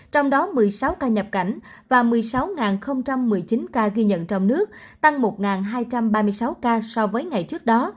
trong đó một mươi sáu ca nhập cảnh và một mươi sáu một mươi chín ca ghi nhận trong nước tăng một hai trăm ba mươi sáu ca so với ngày trước đó